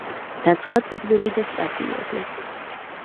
და სხვა წიგნები და სტატიები.